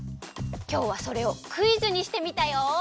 きょうはそれをクイズにしてみたよ。